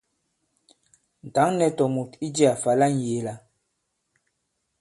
Ǹ tǎŋ nɛ̄ tòmùt i jiā fa la ŋyēe-la.